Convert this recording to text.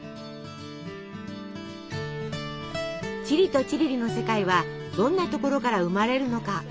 チリとチリリの世界はどんなところから生まれるのか。